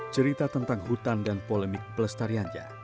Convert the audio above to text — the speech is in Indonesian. cerita tentang hutan dan polemik pelestariannya